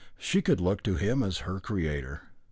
She could look to him as her creator.